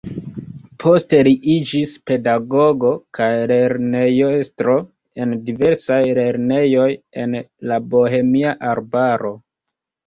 Poste li iĝis pedagogo kaj lernejestro en diversaj lernejoj en la Bohemia arbaro.